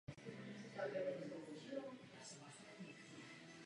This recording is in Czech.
Hráčům je dovoleno hrát samostatně a postupovat příběhem.